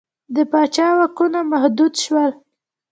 د پاچا واکونه محدود شول.